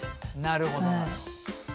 なるほどなるほど。